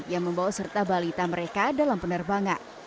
yang membawa serta balita mereka dalam penerbangan